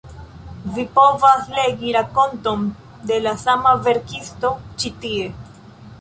Vi povas legi rakonton de la sama verkisto ĉi tie.